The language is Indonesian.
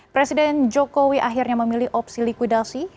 presiden jokowi akhirnya memilih opsi likuidasi